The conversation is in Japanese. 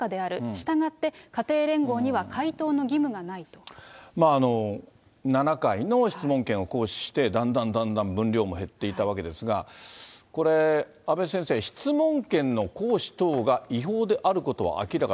したがって、７回の質問権を行使して、だんだんだんだん分量も減っていたわけですが、これ、阿部先生、質問権の行使等が違法であることは明らか。